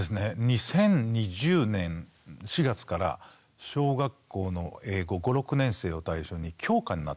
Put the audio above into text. ２０２０年４月から小学校の英語５６年生を対象に教科になったんですね。